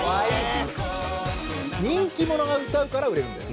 人気者が歌うから売れるんだよ。